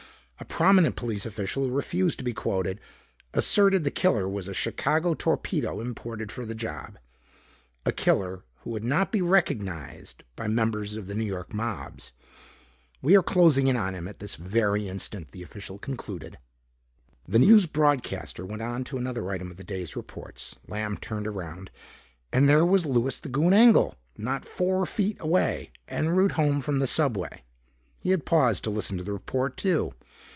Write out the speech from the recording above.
A prominent police official who refused to be quoted asserted the killer was a Chicago torpedo imported for the job, a killer who would not be recognized by members of the New York mobs. 'We are closing in on him at this very instant,' the official concluded." The news broadcaster went on to another item of the day's reports. Lamb turned around. And there was Louis the Goon Engel, not four feet away. En route home from the subway, he had paused to listen to the report too.